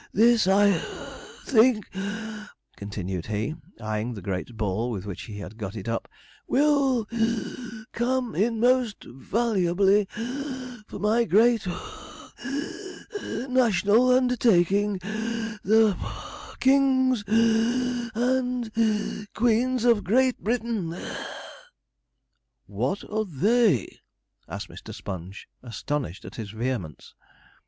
This I (puff) think,' continued he, eyeing the great ball with which he had got it up, 'will (wheeze) come in most valuably (puff) for my great (puff wheeze gasp) national undertaking the (puff) Kings and (wheeze) Queens of Great Britain.' 'What are they?' asked Mr. Sponge, astonished at his vehemence.